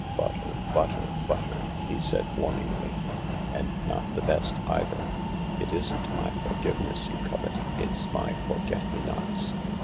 " Butter, butter, butter I " he said warningiy— " and not the best either. It isn't my forgiveness you covet. It's my forget me nots.